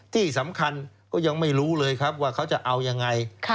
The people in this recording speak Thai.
ที่สำคัญก็ยังไม่รู้เลยครับว่าเขาจะเอายังไง